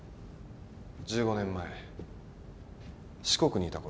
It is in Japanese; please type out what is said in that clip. １５年前四国にいたころから。